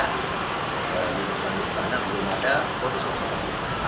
di punggung istana belum ada polisi yang sempurna